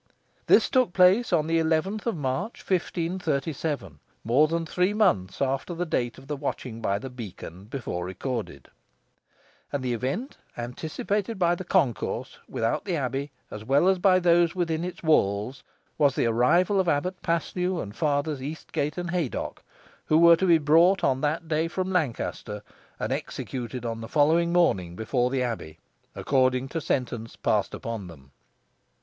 This took place on the eleventh of March, 1537 more than three months after the date of the watching by the beacon before recorded and the event anticipated by the concourse without the abbey, as well as by those within its walls, was the arrival of Abbot Paslew and Fathers Eastgate and Haydocke, who were to be brought on that day from Lancaster, and executed on the following morning before the abbey, according to sentence passed upon them.